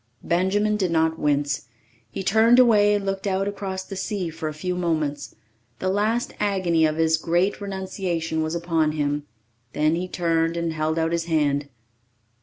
Benjamin did not wince. He turned away and looked out across the sea for a few moments. The last agony of his great renunciation was upon him. Then he turned and held out his hand.